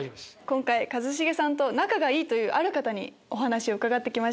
今回一茂さんと仲がいいというある方にお話を伺って来ました。